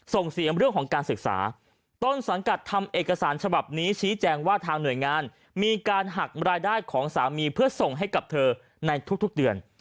ส่งเสียงเรื่องของการศึกษาต้นสังกัดทำเอกสารฉบับนี้ชี้แจงว่าทางหน่วยงานมีการหักรายได้ของสามีเพื่อส่งให้กับเธอในทุกเดือน